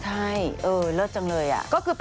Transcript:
ใช่เออเลิศจังเลยอ่ะ